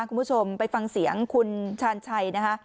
คุณผู้ชมไปฟังเสียงคุณชาญชัยนะคะ